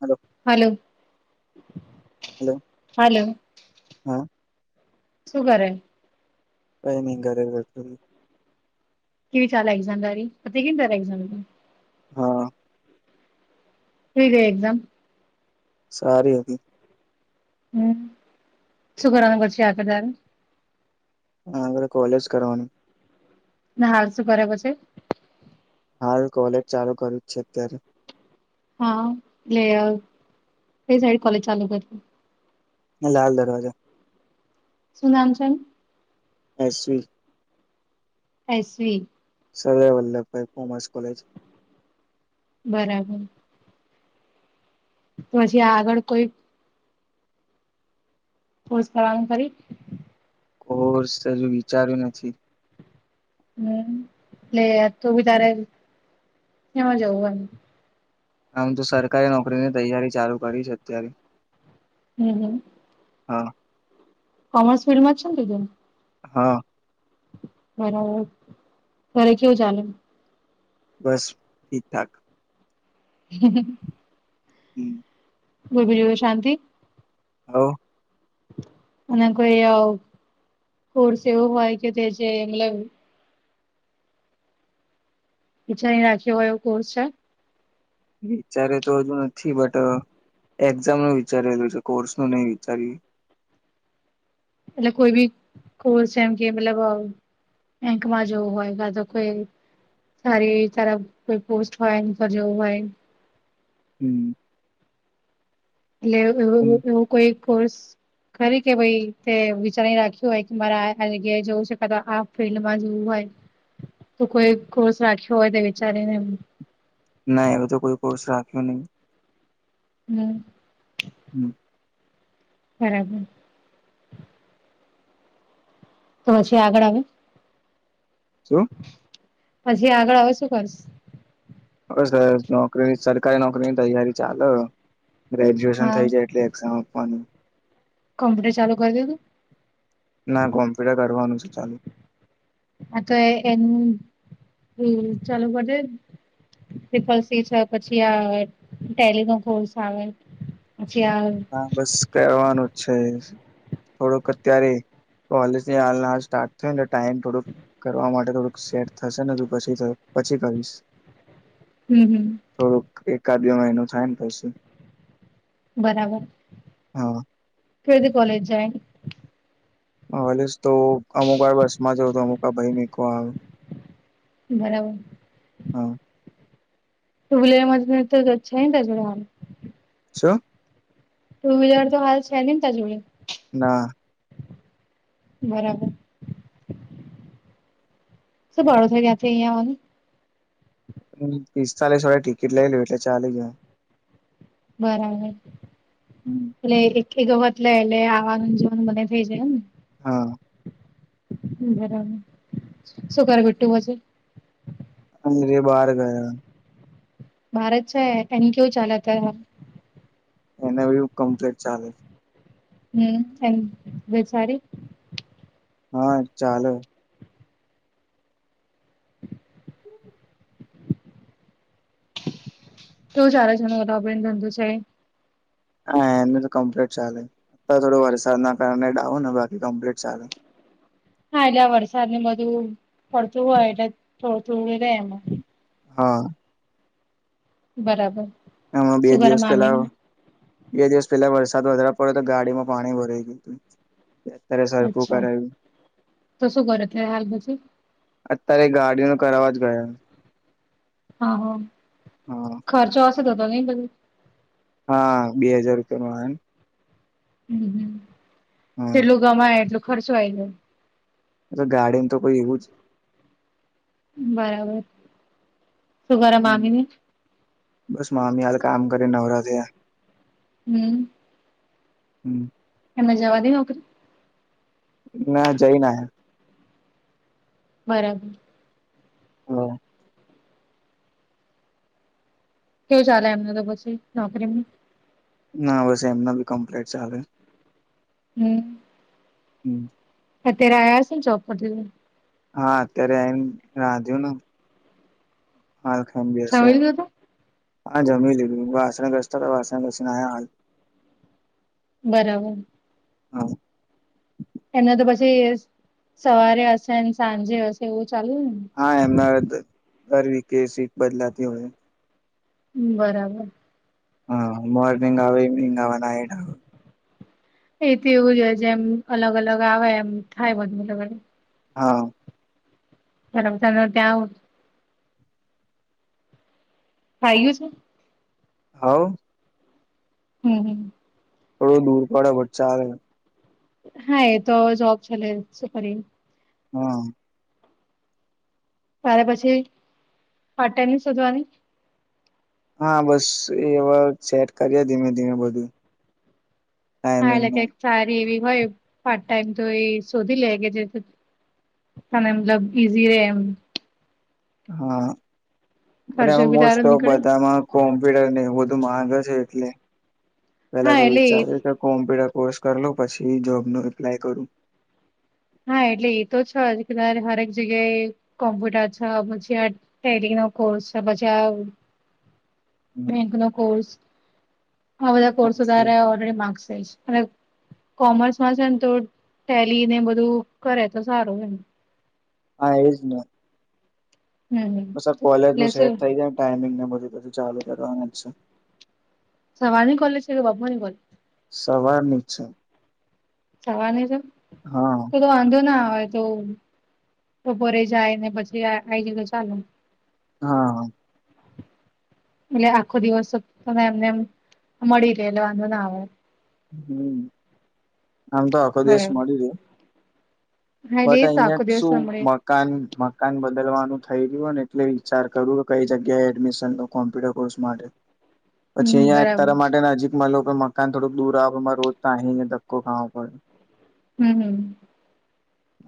Hello. Hello. Hello hello હા. શું કરે? કઈ નહી ઘરે બેઠો છું. કેવી ચાલે એક્ઝામની તૈયારી? પતિ ગઈ ન તારી એક્ઝામ? હા. કેવી ગઈ એક્ઝામ? સારી હતી. હમ શું કરવાનું છે આગળ તારે? મારે કોલેજ કરવાની ને હાલ શું કરે પછી? હાલ કોલેજ ચાલુ કરું છે અત્યારે. હા એટલે અ [unintelligible] કોલેજ ચાલુ કરતી. લાલ દરવાજા. શું નામ છે? SV. SV. Sardar Vallabhbhai commerce college. બરાબર. પછી આગળ કોઈ? કૉર્સ કરવાનું ખરી? કોર્સ હજુ વિચાર્યું નથી. હમ લે તો બી તારે કેમાં જવું એમ? આમ તો સરકારી નોકરીની તૈયારી ચાલુ કરી છે અત્યારે. હમ હમ. હા. કોમર્સ ફિલ્ડમાં છો કે? હા. બરાબર ઘરે કેવું ચાલે‌? બસ ઠીક ઠાક. હમ. હમ. બોલ બીજું શાંતિ? હ ઉ અને કોઈ અ કોર્સ એવો હોય કે તે જે મતલબ વિચારી રાખ્યો હોય એવો કોર્સ છે? વિચારે તો હજુ નથી બટ એક્ઝામ નું વિચારેલું છે કોર્સ તો નહી વિચાર્યું એટલે કોઈ બી કોર્સ એમ કે મતલબ અ બેંકમાં જવું હોય કા તો કોઈ.. સારી તારા કોઈ પોસ્ટ હોય એવી રીતે જવું હોય હમ એટલેવ કોઈ કોર્સ કે ભાઈ વિચારી રાખ્યું હોય કે મારે આ જગ્યાએ જવું છે ક તો આ ફિલ્ડમાં જોવું હોય તો કોઈ કોર્સ રાખ્યો હોય તે વિચારીને એ ના એવ તો કોઈ કોર્સ રાખ્યો નહી હમ હમ બરાબર તો પછી આગળ આવે શું પછી આગળ આવે શું કરશ હ સર નોકરીની સરકારી નોકરીની તૈયારી ચાલે ગ્રેજ્યુએશન હા થઈ જાય એટલે એક્ઝામ આપવાનું કોમ્પુટર ચાલુ કરી દેધું ના કોમ્પ્યુટર કરવાનું છે ચાલુ આ તો એ એ ચાલ પટે ટિપલ સી છે પછી આ ટેલી નો ગલ્સ આવે અછ હા બસ કવાનું જ છે થોડોક અત્યારે કોલેજ હાલ હાલ સ્ટાર્ટ થયું ને ટાઈમ થોડુંક કરવા માટે થોડુંક સેટ થશે ને પછી પછી હમ હમ થોડુંક એકાદ બે મહિનું થાય ને પછું બરાબર હા ફદી કોલેજ જાય હલે તો અમુક વાર બસ માં જવ તો અમુક ભાઈ મીકવા આવે બરાબર હા તોલે મને તો જ્ છે ને તજ છ ટુ વ્હીલર તો હાલ છે નેને ત જોડે ના બરાબર શું ભળો થઈ ગયાથી અહંયા હમ પિસ્તાલીસ વાડે ટિકિટ લે લ એટલે ચાલી જ બરાબર એટલે એક એક વખત લે એટલે આવાનું જવાનું મને થઈ જાય એમને હા બરાબર શું કરબટું હજે મેરે બહાર ગયા ભારત છે એનક્યુ ચાલત એને કમ્પ્લીટ હમ થ સારી. હા ચાલે. તું સારા જ આપને ધંધો છે. હા એનું કમ્પ્લીટ ચાલે થોડો વરસાદ કારણે ડાઉન ને બાકી કમ્પ્લીટ ચાલે. હા એટલે આ વરસાદને બધું પડતું હોય એટલે થોડું થોડું રહેે એમાં. હા. બરાબર. હ બે શું કરે દિવસ મામી પેલા. બે દિવસ પેલા વરસાદ વધારેવા પડ્યો તો ગાડીમાં પાણી ભરાઈ ગયું હતું. અત્યારે સરખું અચ્છા કરાયું તો શું કરે છે હાલ પછી. અત્યારે ગાડી ન કરવાવા જ ગયા. હા હા. હા. ખર્ચો હશે તો તો નહી પધી. હા બે હજાર રૂપિયા નો આયો ને. હમ આવે ને. જેટલું કમાય એટલું ખર્ચો આવી જાય. તો ગાડી એમ તો કોઈ એવુંજ. બરાબર શું કર હમ. મામી ને બસ મામી હાલ કામ કરે નવરા થયા. હમ. હમ. એમાં જવા દ નોક ના જઈ ના. બરાબર. હ. કેવું ચાલે એમને તો પછી નોકરીમાં ના બસ એમના બી કમ્પ્લીટ ચાલે. હમ. હમ. અત્યારે આયા હસે ને ચોપટી. હા અત્યારે આઈને રાંધ્યું ને. હાલ ખમ બેશે જમી લીધું હા જમી લીધ વાસણ ગજતા તો વા ગજ નાયા હાલ. બરાબર. હા. એને તો પછી સવારે હશે સાંજે હશે એવું ચાલુ હા એમના દર વીકે સીટ બદલાતી હોય. બરાબર. હ મોર્નિંગ આવા ઈવિંનીગ આવા નાઈટ આવ. એ તો એવું જ હોય જેમ અલગ અલગ આવે એમ થાય બધને અલગ અલગ હા. [unintelligible] [unintelligible] હઉ હમ હમ. થોડું દૂર પડે બચ્ચા આવે. હા એ તો જોબ છેલે સુપારી. હા. તારે પછી પાર્ટ ટાઈમ ની શોધવાની? હા, બસ એવા સેટ કરીએ ધીમે ધીમે બધું. હા, એટલે ટાઈમિંગનું કઈક સારી એવી હોય પાર્ટ ટાઈમ તો એ શોધી લે કે જે, તને મતલબ રે, હા, બ ખર્ચો એમાં બ બી તારો સ્ટોક નીકળે બધામાં, કોમ્પ્યુટર ને એવ બધું માગે છે, એટલે પેલા હા તો એટલે એ વિચારે, કોમ્પ્યુટર કોર્સ કરલો પછી, જોબ નું એપ્લાય કરું. હા, એટલે એ તો છ. આજ હરેક જગ્યાએ કોમ્પ્યુટર છ પછી, તૈલી નવ કોર્સ ભજા [inaudible] બેંક નો કોર્સ, આ બધા કોર્સો તારે ઓલરેડી માર્ક્સ થાય છે. અને કોમર્સમાં છે, ને તો ટેલીને બધું કરે તો સારું એમ. હા, એજ ને, હમ હમ બ કોલેજ નું એટલે શું સેટ થઈ જાય, ને ટાઈમિંગ ને બધીી ચાલુ કરવાની જ છે. સવારની કોોલે છે, કે બાપાની કોલે. સવાર જવાની તો [inaudible] હા, તો વાંધો ના આવે તો, બપોરે જાય ને પછી, આ આવી જ તો ચાલ. હા! [inaudible] એટલે આખો દિવસ તને એમને એમ મળી રહેલો, વાંધો ના આવે. હમ, આમ તો અ દેશ બરાબર મળી રહ. હા એટલે બટ એ તો અહિયાં આખો જ દિવસ શું?? ના મળે મકાન મકાન બદલવાનું થઈ રહય્યુંને, એટલે વિચાર કરું કઈ જગ્યાએ એડમિશન લો કોમ્પ્યુટર કોર્સ માટે. હ [inaudible] પછી અહીંયાતાર માટે નજીકમાં લો કે મકાન થોડુંક દૂર આવેમાં રોજ તો અહી અયા ધક્કો ખાો પડે. હમ હમ,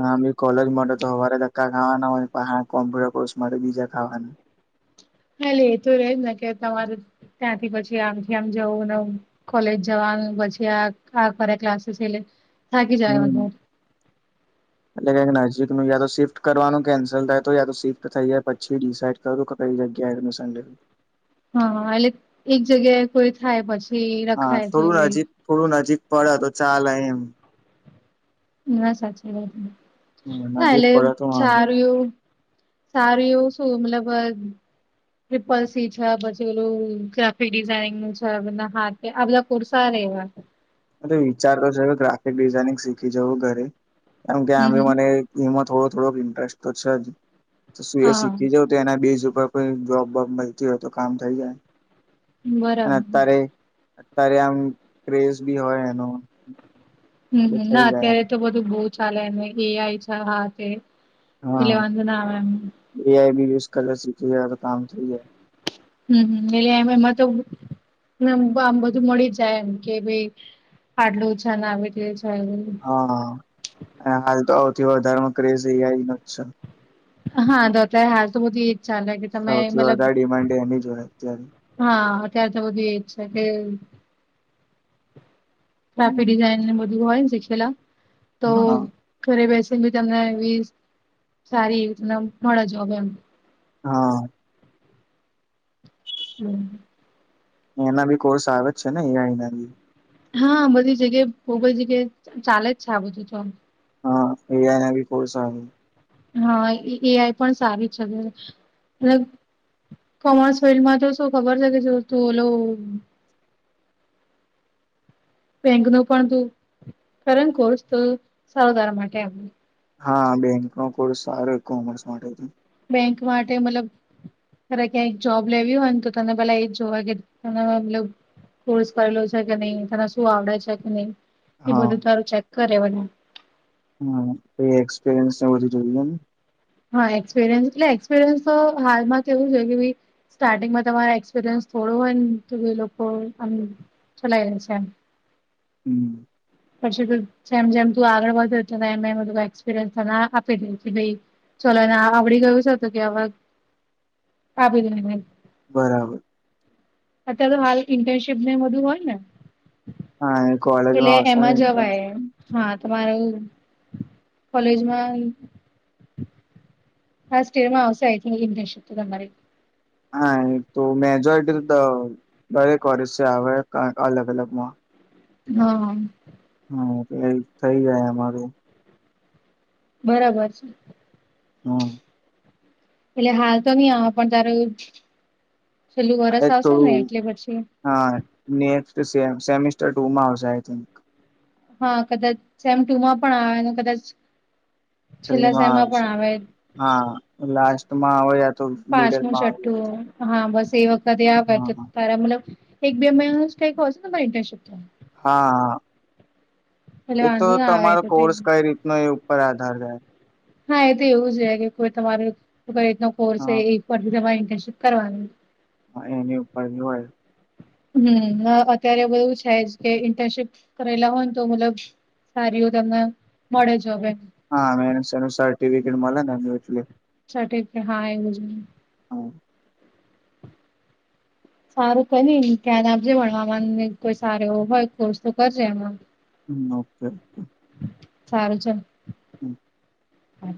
હ, કોલેજ માટે તોવારે ધકા ખાવાના હોય કોમ્પ્યુટર કોર્સ માટે બીજા ખાવાના. હા, લ એ તો રેજ ને કે તમાર ત્યાંથી પછી આમથી આમ જવું ન. કોલેજ જવાનું પછી, આ આ ફરે ક્લાસીસ, થાકી જાય હમ, [inaudible] એટલે કઈક નજીક નું યા તો શિફ્ટ કરવાનું કેન્સલ થાય, તો યા તો શિફ્ટ થઈ જાય પછી ડિસાઇડ કું ક કઈ જગ્યા એ સંે હા, એક જગ્યાએ કોઈ થાય પછી હા રખાય છે. થોડું નજીક થોડું નજીક પડે તો ચાલે એમ, ના, સાચી વાત હમ્મ ના નજીક એટલે પડે તો વાંધો સારું નહી એવું. સારું એવું શું મતલબ, ટ્રિપલ સી છે પછી, ઓેલું ગ્રાફિક ડિઝાઇનિંગ નું છે બ હાથ આપલા કોુરસા રહેવા, વિચારતો છે, હ ગ્રાફિક ડિઝાઇનિંગ શીખી જવું ઘરે કેમ કે આમે હમ હમ મને, એમાં થોડો થોડોક ઇન્ટરેસ્ટ તો છે. જ શું એ હા શીખી જાવ, એના બેઝ ઉપર કોઈ જોબ વોબ મળતી હોય થઈ જાય. અને બરાબર અત્યારે અત્યારે આમ ક્રેઝ બી હોય એનો, હમ, એટલે થઈ ના જાય એમ અત્યારે તો બધું બહ ચાલેને એ આઈ હા તે, એલે વાંધ ના આવેમ એઆઈ યુઝ કરે સીધ થઈ જાય હમમ એટલે એમ એમાં તો આમ બધું મળી જાય એમ કે ભાઈ પાડલું ઓછા ના આવી રહ છેું હા અને હાલ તો આવથી વધારેમાં ક્રેઝ એ ન છે હા દોત હાલ તો બધ સૌથી વધારે ડિમાન્ડ એની જોયે અત્યારે હા અત્યારે તો બધું એ જ છે કે ક્રાફિક હમ. ડિઝઇન બધું હોય શીખેલા તો હા ઘરે બેસી બી તમને એવી સારી એવી તમને મળ જો હ એમ હા હમ એના બી કોર્સ આવે જ છે ને એ અહીના બી જગ્યાએ ભોગલ જગ્યાએ ચાલે જ છે આ બધું તો હા એિયાના ભી કો હા એ આઈ પણ સારી છે કોમર્સ ફિલ્ડમાં તો શું ખબર છે કે જો તું ઓલો બેંક ન પણ તું કરણ કોર્સ તો સારધારા માટે હા બેંક નો કોર્સ સારો કોમર્સ માટેથી બેંક માટે મતલબ તરે ક્યાંય જોબ લેવી હોય ને તો તને પેલા એ જોવા કે ત મતલ કોર્સ કરેલો છે કે નહી તને શું આવડે છે કે નહી એ હા બધું તારું ચેક કરે મને હ જોયને હા એક્સપિરયન્સ એટલે એક્સપિરિયન્સ તો હાલમાં તો એવું છે કે ભાઈ સ્ટાર્ટિંગમાં તમારે એક્સપિરિયન્સ થોડું હોય ને તો એ લોકો આમ ચલાય જશે એમ હમ પછી ત જેમ જેમ તું આગળ વધ બધ એક્સપિરયન્સ આપી દ ચલોને આવડી ગયું છે તોું કે આ આપી દું બરાબર અત્યારે તો હાલ ઇન્ટર્નશીપ ને બધું હોય ને હા કોલેજ માં એટલે આવશે ને એમાં જવાય ઇન્ટર્નશીપ. હા તમાર કોલેજમાં હાસ સ્ટેરમાં આવશે આ એમ થ શક તમારી હા એક તો મેજોરિટી દરેક ઓરેજ આવે અલગ અલગમાં હા હમ એટલે થઈ જાય અમારે બરાબર છે હા એટલે હાલ તો નઈ આવે પણ તારેું છેલ્લું વરષ એ આવશે ને થોડું એટલે પછી હા નેક્ સેમિસ્ટર ટુ માં આવશે આ થિક હા કદાચ સેમ ટુમાં પણ આવે કદાચ થ્રીમાં સમયમાં આવશે પણ હા લાસ્ટમાં આવે યા તો પાંચમું મિડલમાં આવે એવું છઠ્ઠું થાય હા બસ એ વખતે આવે હા તો તાર મલબ એક બે મહ કઈ કય ઇન્ટર્નશિપ ત હા એટલે એ તો વાંધો ના આવે તમારો એ તો થઈ કોર્સ કઈ રીતનો એ પર આધાર રે હા એ તો એવું જ રે [inaudible] કે કોઈ તમારો કઈ રીતનો કોર્સ હા એક વાર [unintelligible] [inaudible] ઇન્ટર્નશીપ કરવાનું હ એની ઉપર હોય હમ અત્યારે એવું [inaudible] બધું છે જ કે ઇન્ટર્નશીપ કરેલા હોય ને તો મતલબ [inaudible] તમને મળે જોબ ય [inaudible] હા [unintelligible] [inaudible] નું સર્ટિફિકેટ મલે ને [inaudible] છઠ [inaudible] હા એ [inaudible] હ સારું કરીને ધ્યાન આપજે ભણવામાંને કોઈ સારો એવો હોય કોર્સ તો કરજે એમાં હમ ઓકે ઓકે [inaudible] સારું ચલ હમ હા